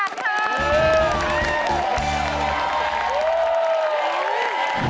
รับไปก่อน๕๐๐๐บาทครับ